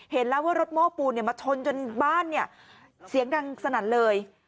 เห็นแล้วว่ารถโม้ปูนมาชนจนบ้านเนี่ยเสียงดังสนั่นเลย